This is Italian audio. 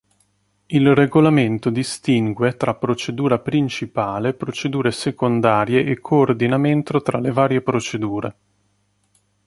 Il regolamento distingue tra Procedura principale, procedure secondarie e coordinamento tra le varie procedure.